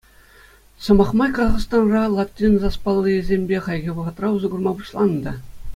Сӑмах май, Казахстанра латин саспаллийӗсемпе хальхи вӑхӑтра усӑ курма пуҫланӑ та.